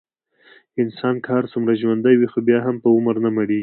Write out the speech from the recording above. انسان که هرڅومره ژوندی وي، خو بیا هم په عمر نه مړېږي.